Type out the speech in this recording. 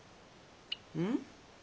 うん？